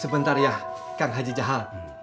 sebentar ya kang haji jahaal